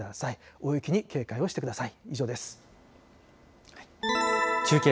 大雪に警戒をしてください。